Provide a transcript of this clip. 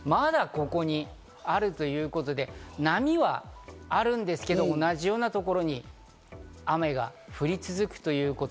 火曜日の段階でもまだここにあるということで、波はあるんですけど、同じようなところに雨が降り続く。